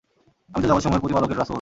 আমি তো জগতসমূহের প্রতিপালকের রাসূল।